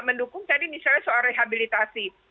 mendukung tadi misalnya soal rehabilitasi